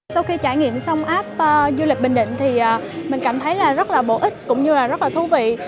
sau khi trải nghiệm xong app du lịch bình định thì mình cảm thấy rất là bổ ích cũng như là rất là thú vị